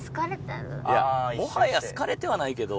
いやもはや好かれてはないけど。